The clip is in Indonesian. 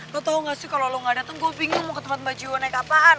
lo tau gak sih kalau lo gak datang gue bingung mau ke tempat baju lo naik apaan